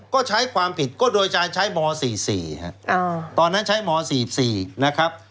ก็ใช้ความผิดก็โดยจะใช้ม๔๔ตอนนั้นใช้ม๔๔นะครับ